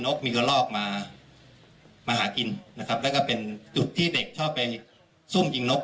กมีกระลอกมามาหากินนะครับแล้วก็เป็นจุดที่เด็กชอบไปซุ่มยิงนก